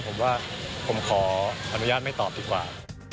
ผมว่าผมขออนุญาตไม่ตอบดีกว่า